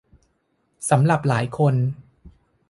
สำหรับหลายคน